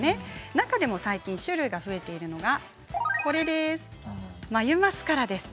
中でも最近種類が増えているのが眉マスカラです。